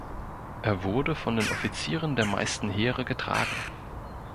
Er wurde von den Offizieren der meisten Heere getragen.